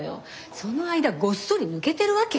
その間ごっそり抜けてるわけ？